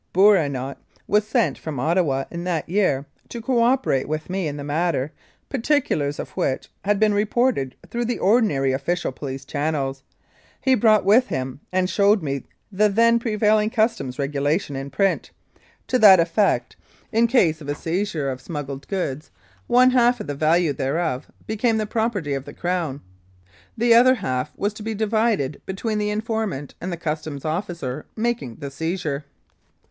Bourinot was sent from Ottawa in that year to co operate with me in the matter, particulars of which had been reported through the ordinary official police channels, he brought with him and showed me the then prevailing Customs regulation in print, to the effect that, in case of a seizure of 98 1902 6. Maple Creek smuggled goods, one half of the value thereof became the property of the Crown, the other half was to be divided between the informant and the Customs officer making the seizure.